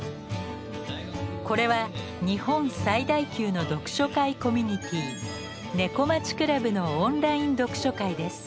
これは日本最大級の読書会コミュニティー「猫町倶楽部」のオンライン読書会です。